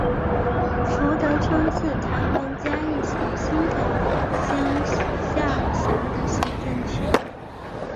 福德村是台湾嘉义县新港乡辖下的行政区。